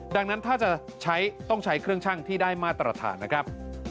ดังนั้นถ้าจะใช้ต้องใช้เครื่องชั่งที่ได้มาตรฐานนะครับ